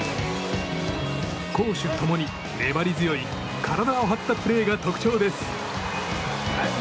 攻守共に粘り強い体を張ったプレーが特徴です。